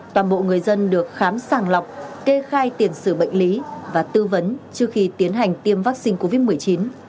toàn bộ người dân được khám sàng lọc kê khai tiền xử bệnh lý và tư vấn trước khi tiến hành tiêm vaccine covid một mươi chín